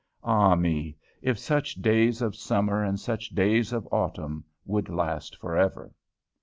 Ah me! if such days of summer and such days of autumn would last forever!